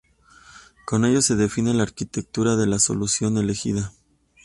Con ello se define la arquitectura de la solución elegida.